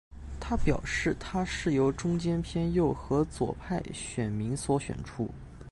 他表示他是由中间偏右和左派选民所选出。